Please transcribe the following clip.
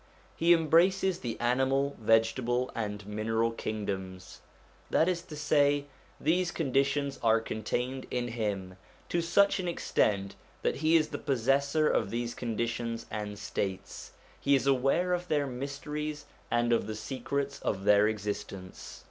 He embraces the animal, vegetable, and mineral kingdoms: that is to say, these conditions are contained in him to such an extent that he is the possessor of these conditions and states ; he is aware of their mysteries and of the secrets of their existence.